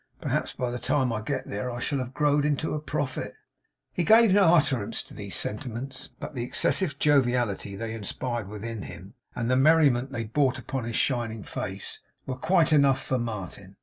P'rhaps by the time I get there I shall have growed into a prophet.' He gave no utterance to these sentiments; but the excessive joviality they inspired within him, and the merriment they brought upon his shining face, were quite enough for Martin.